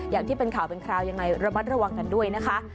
อย่างที่เป็นข่าวเป็นคราวยังไงระมัดระวังกันด้วยนะคะ